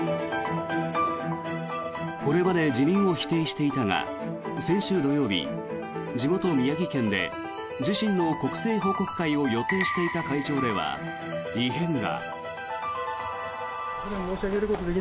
これまで辞任を否定していたが先週土曜日地元・宮城県で自身の国政報告会を予定していた会場では異変が。